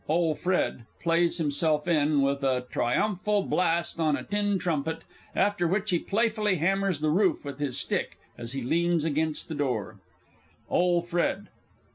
["OLE FRED" _plays himself in with a triumphal blast on a tin trumpet, after which he playfully hammers the roof with his stick, as he leans against the door_. OLE FRED.